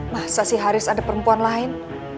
masa sih haris ada perempuan lain